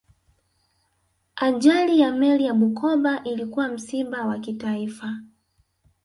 ajali ya meli ya bukoba ilikuwa msiba wa kitaifa